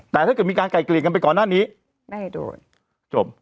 แต่ถ้าเกิดมีการไกลกลีกกันไปก่อนหน้านี้จบ